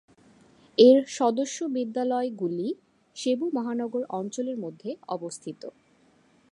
এর সদস্য বিদ্যালয়গুলি সেবু মহানগর অঞ্চলের মধ্যে অবস্থিত।